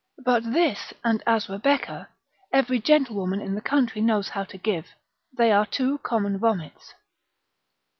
But this and asrabecca, every gentlewoman in the country knows how to give, they are two common vomits.